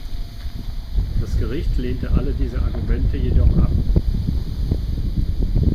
Das Gericht lehnte alle diese Argumente jedoch ab.